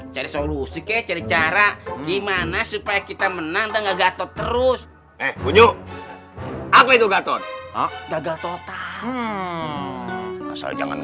cari solusi kecari cara gimana supaya kita menang dan gak gatot terus eh punya apa itu